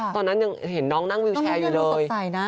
ตอนนั้นยังเห็นน้องนั่งวิวแชร์อยู่เลย